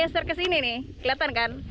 kalau kita geser ke sini nih kelihatan kan